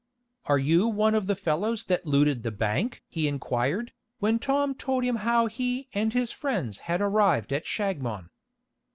"Are you one of the fellows that looted the bank?" he inquired, when Tom told him how he and his friends had arrived at Shagmon.